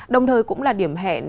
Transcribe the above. đồng thời cũng là điểm hẹn